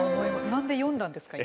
何で詠んだんですか？